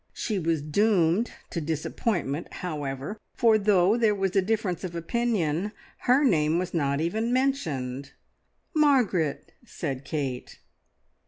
She was doomed to disappointment, however, for though there was a difference of opinion, her name was not even mentioned. "Margaret!" said Kate.